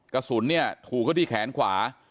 กระสุนเนี่ยถูกเขาที่แขนขวา